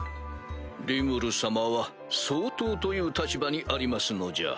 リムル様は総統という立場にありますのじゃ。